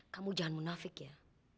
kamu jangan munafik ya